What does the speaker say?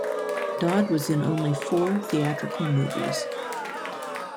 Dodd was in only four theatrical movies.